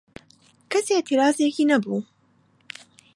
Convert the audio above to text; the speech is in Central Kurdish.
کەس ئێعترازێکی نەبوو